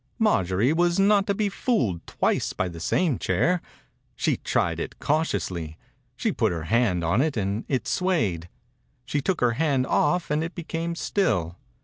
Marjorie was not to be fooled twice by the same chair. She tried it cautiously. She put her hand on it and it swayed. She took her hand oiF and it became still.